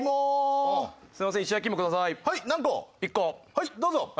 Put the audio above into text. はいどうぞ。